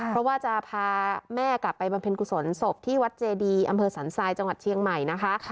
เพราะว่าจะพาแม่กลับไปบำเพ็ญกุศลศพที่วัดเจดีอำเภอสันทรายจังหวัดเชียงใหม่นะคะ